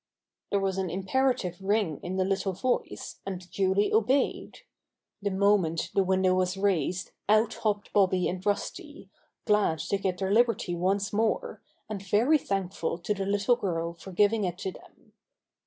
There was an imperative ring in the little voice, and Julie obeyed. The moment the window was raised out hopped Bobby and Rusty, glad to get their liberty once more, and very thankful to the little girl for giving it to them.